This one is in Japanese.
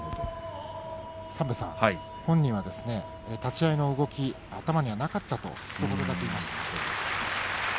御嶽海本人は立ち合いの動きは頭になかったとひと言だけ言っていました。